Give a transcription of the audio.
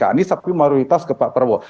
ini satu prioritas ke pak prabowo